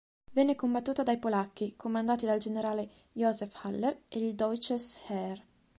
Venne combattuta dai polacchi, comandati dal generale Józef Haller e il Deutsches Heer.